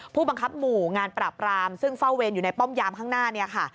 ผู้บังคับหมู่งานปราบรามซึ่งเฝ้าเวรอยู่ในป้อมยามข้างหน้าเนี่ยค่ะ